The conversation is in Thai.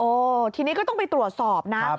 ทีนี้ก็ต้องไปตรวจสอบนะ